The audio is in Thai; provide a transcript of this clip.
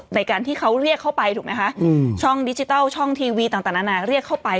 ในการที่เขาเรียกเข้าไปถูกไหมคะช่องดิจิทัลช่องทีวีต่างนานาเรียกเข้าไป